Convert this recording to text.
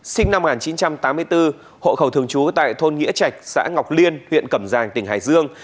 sinh năm một nghìn chín trăm tám mươi bốn hộ khẩu thường trú tại thôn nghĩa trạch xã ngọc liên huyện cẩm giang tỉnh hải dương